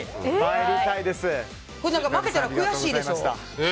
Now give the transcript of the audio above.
負けたら悔しいでしょ？